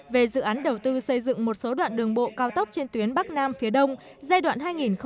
về dự án đầu tư xây dựng một số đoạn đường bộ cao tốc trên tuyến bắc nam phía đông giai đoạn hai nghìn một mươi sáu hai nghìn hai mươi